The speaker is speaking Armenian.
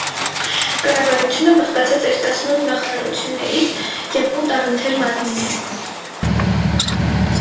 Կառավարությունը բաղկացած էր տասնութ նախարարություններից և ութ առընթեր մարմիններից։